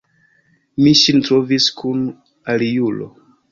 Mi ŝin trovis kun aliulo.